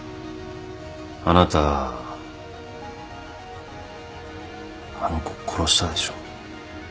あなたあの子を殺したでしょ。